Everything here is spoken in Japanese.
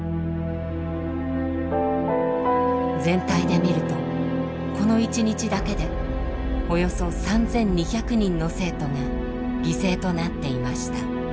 全体で見るとこの一日だけでおよそ３，２００人の生徒が犠牲となっていました。